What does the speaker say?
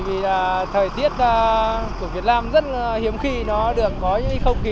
vì là thời tiết của việt nam rất là hiếm khi nó được có những không khí